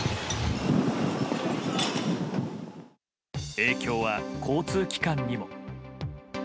影響は交通機関にも。